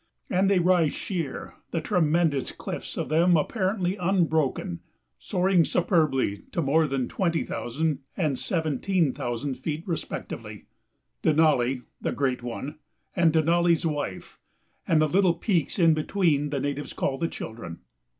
And they rise sheer, the tremendous cliffs of them apparently unbroken, soaring superbly to more than twenty thousand and seventeen thousand feet respectively: Denali, "the great one," and Denali's Wife. And the little peaks in between the natives call the "children."